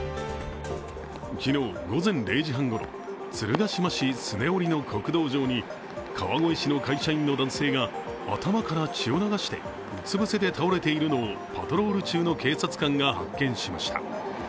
昨日午前０時半ごろ、鶴ヶ島市脚折の国道上に川越市の会社員の男性が頭から血を流してうつ伏せで倒れているのをパトロール中の警察官が発見しました。